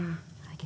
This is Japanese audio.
はい。